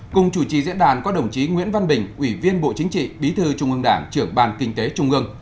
cùng chủ trì diễn đàn có đồng chí nguyễn văn bình ủy viên bộ chính trị bí thư trung ương đảng trưởng bàn kinh tế trung ương